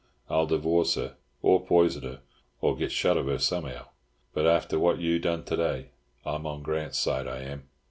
I'll divorce her, or poison her, or get shut of her somehow. But after what you done to day I'm on Grant's side, I am."